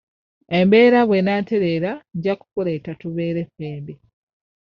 Embeera bw'enaatereera nja kukuleeta tubeere ffembi.